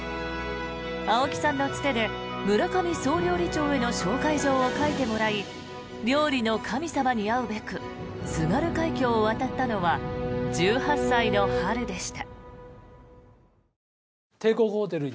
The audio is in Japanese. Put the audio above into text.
青木さんのつてで村上総料理長への紹介状を書いてもらい料理の神様に会うべく津軽海峡を渡ったのは１８歳の春でした。